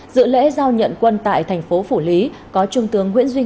giữa lễ giao nhận quân tại thành phố phủ lý có trung tướng nguyễn duy ngọc